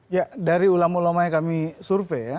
ya dari ulama ulama yang kami survei ya